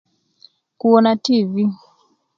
Kuwona tivi.